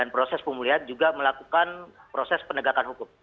proses pemulihan juga melakukan proses penegakan hukum